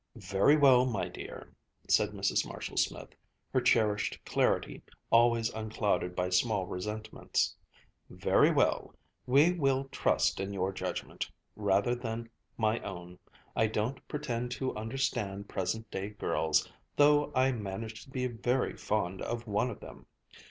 "Very well, my dear," said Mrs. Marshall Smith, her cherished clarity always unclouded by small resentments, "very well, we will trust in your judgment rather than my own. I don't pretend to understand present day girls, though I manage to be very fond of one of them.